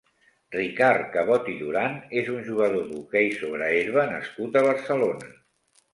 Ricard Cabot i Duran és un jugador d'hoquei sobre herba nascut a Barcelona.